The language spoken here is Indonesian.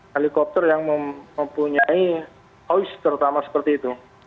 helikopter yang mempunyai hois terutama seperti itu